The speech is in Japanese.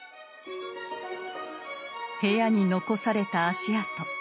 部屋に残された足跡。